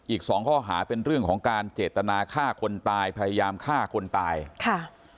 อีกสองข้อหาเป็นเรื่องของการเจตนาฆ่าคนตายพยายามฆ่าคนตายค่ะ